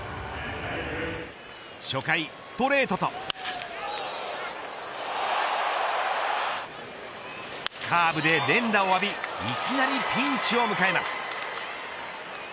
初回ストレートとカーブで連打を浴びいきなりピンチを迎えます。